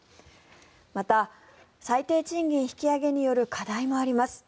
また、最低賃金引き上げによる課題もあります。